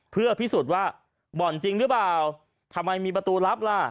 เพื่อพิสูจน์ว่าบ่อนจริงหรือเปล่าทำไมมีประตูลับล่ะ